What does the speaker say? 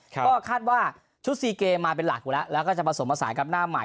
ก็คาดว่าชุดซีเกมมาเป็นหลักแล้วก็จะผสมมาสายกับหน้าใหม่